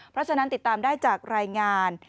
เพราะฉะนั้นติดตามได้จากรายงาน